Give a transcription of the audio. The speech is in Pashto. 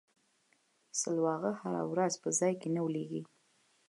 سلواغه هره ورځ په څا کې نه ولېږي.